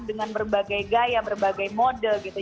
dengan berbagai gaya berbagai mode gitu